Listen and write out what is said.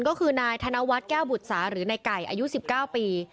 ก็คือนายธนวัฒน์แก้วบุษาหรือในไก่อายุ๑๙ปี